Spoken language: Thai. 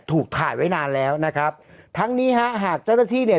ถูกถ่ายไว้นานแล้วนะครับทั้งนี้ฮะหากเจ้าหน้าที่เนี่ย